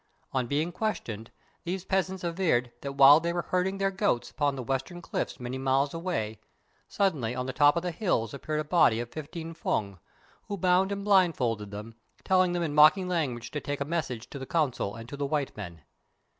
On being questioned, these peasants averred that while they were herding their goats upon the western cliffs many miles away, suddenly on the top of the hills appeared a body of fifteen Fung, who bound and blindfolded them, telling them in mocking language to take a message to the Council and to the white men.